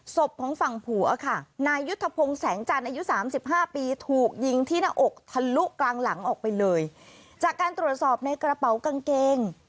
ศพของฝั่งผัวค่ะนายยุทธพงศ์แสงจันทร์อายุสามสิบห้าปีถูกยิงที่หน้าอกทะลุกลางหลังออกไปเลยจากการตรวจสอบในกระเป๋ากางเกง